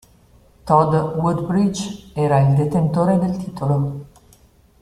Todd Woodbridge era il detentore del titolo.